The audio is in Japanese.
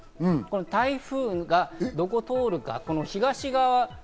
台風がどこを通るか。